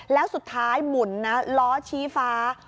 แล้วสุดท้ายหมุนนะล้อชี้ฟ้า